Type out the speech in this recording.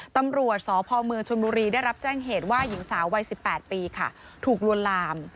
ตำรวจสพเมืองชนบุรีได้รับแจ้งเหตุว่าหญิงสาววัย๑๘ปีค่ะถูกลวนลาม